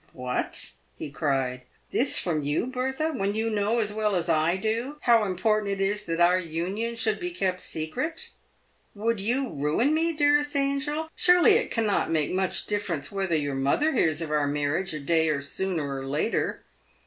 " What !" he cried, " this from you, Bertha, when you know, as well as I do, how important it is that our union should be kept secret ? "Would you ruin me, dearest angel ? Surely it cannot make much difference whether your mother hears of our marriage a day sooner or later.